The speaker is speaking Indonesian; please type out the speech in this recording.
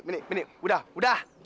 mini mini udah udah